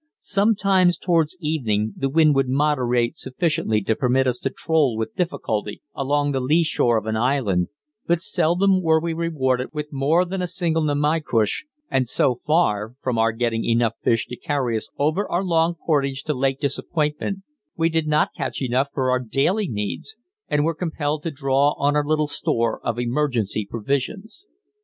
Sometimes towards evening the wind would moderate sufficiently to permit us to troll with difficulty along the lee shore of an island, but seldom were we rewarded with more than a single namaycush, and so far from our getting enough fish to carry us over our long portage to Lake Disappointment, we did not catch enough for our daily needs, and were compelled to draw on our little store of emergency provisions.